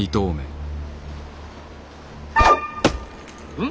うん？